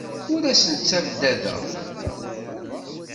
Ur asen-ttabdadeɣ.